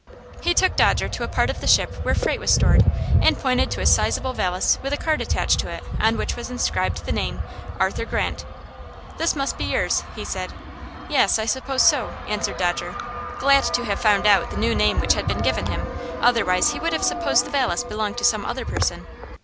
He took Dodger to a part of the ship where freight was stored, and pointed to a sizable valise with a card attached to it on which was inscribed the name: "Arthur Grant." "This must be yours," he said. "Yes, I suppose so," answered Dodger, glad to have found out the new name which had been given him, otherwise he would have supposed the valise belonged to some other person.